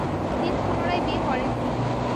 তিনি পুনরায় বিয়ে করেননি।